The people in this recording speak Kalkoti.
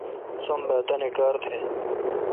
سم بھا تانی کار تھ۔